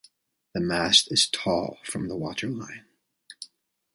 The mast is tall from the waterline.